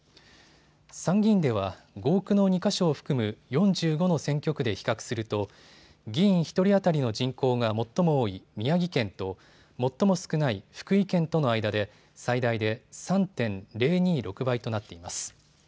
参議院では合区の２か所を含む４５の選挙区で比較すると議員１人当たりの人口が最も多い宮城県と最も少ない福井県との間で最大で３．０２６倍となっています。